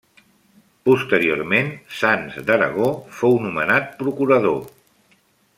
Posteriorment Sanç d'Aragó fou nomenat Procurador.